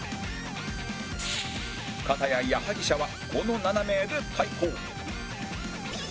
片や矢作舎はこの７名で対抗